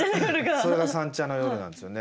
それが三茶の夜なんですよね。